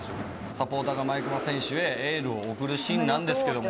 サポーターが毎熊選手へエールを送るシーンなんですけども。